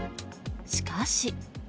しかし。